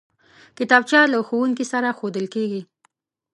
کتابچه له ښوونکي سره ښودل کېږي